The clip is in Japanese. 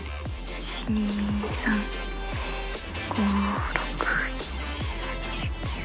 １２３４５６７８９